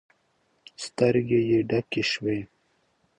سترګې يې ډکې شوې.